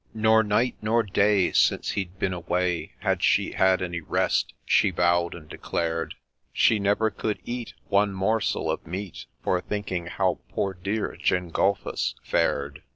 1 Nor night nor day since he'd been away, Had she had any rest,' she ' vow'd and declar'd.' She ' never could eat one morsel of meat, For thinking how " poor dear " Gengulphus fared.'